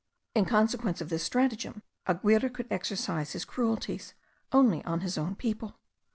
In consequence of this stratagem, Aguirre could exercise his cruelties only on his own people.